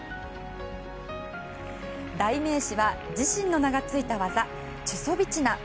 代名詞は自身の名がついた技チュソビチナ。